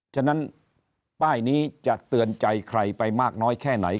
ฉะนั้นป้ายนี้จะเตือนใจใครไปมากน้อยแค่ไหน